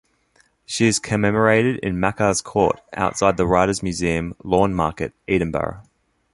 She is commemorated in Makars' Court, outside the Writers' Museum, Lawnmarket, Edinburgh.